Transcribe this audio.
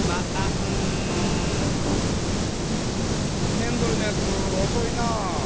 ねんどれのやつおそいなあ。